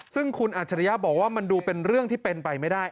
ซึ่งคุณอัจฉริยะบอกว่ามันดูเป็นเรื่องที่เป็นไปไม่ได้